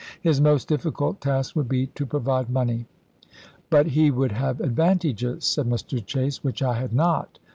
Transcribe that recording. His most difficult task would be to provide money. "But he would have advantages," said Mr. Chase, "which I had not.